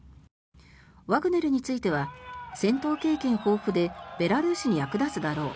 ワグネルについては戦闘経験豊富でベラルーシに役立つだろう